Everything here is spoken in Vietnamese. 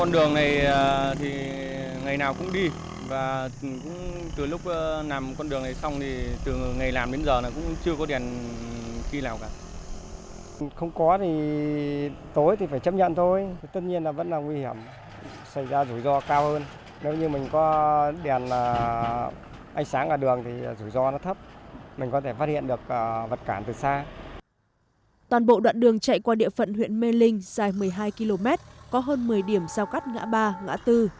đoạn đường chạy qua địa phận huyện mê linh dài một mươi hai km có hơn một mươi điểm giao cắt ngã ba ngã bốn